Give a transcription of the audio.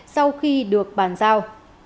sau khi được bàn giao